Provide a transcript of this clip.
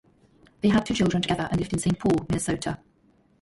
They had two children together, and lived in Saint Paul, Minnesota.